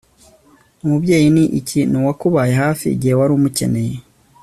umubyeyi ni iki? nuwakubaye hafi igihe warumukeneye